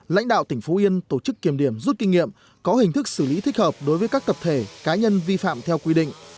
lãnh đạo tỉnh phú yên tổ chức kiểm điểm rút kinh nghiệm có hình thức xử lý thích hợp đối với các tập thể cá nhân vi phạm theo quy định